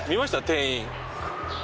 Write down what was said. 店員。